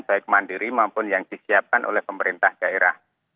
baik mandiri maupun yang disiapkan oleh pemerintah daerah